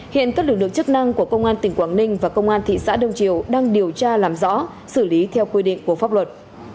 hiện các lực lượng chức năng của công an tỉnh quảng ninh và công an thị xã đông triều đang điều tra làm rõ xử lý theo quy định của pháp luật